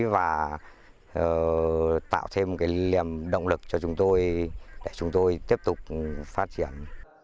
và tạo thêm cái liềm động lực cho chúng tôi để chúng tôi tiếp tục phát triển